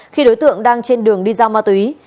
khi đối tượng đang trên đường đi giao ma túy